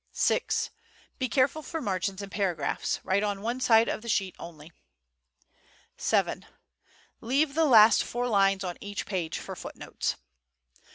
VI. Be careful for margins and paragraphs. Write on one side of the sheet only. VII. Leave the last four lines on each page for footnotes.